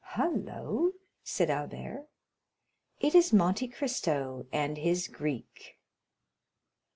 "Hullo," said Albert; "it is Monte Cristo and his Greek!"